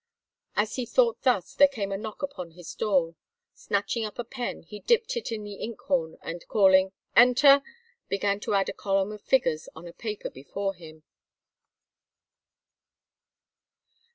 As he thought thus there came a knock upon his door. Snatching up a pen he dipped it in the ink horn and, calling "Enter," began to add a column of figures on a paper before him.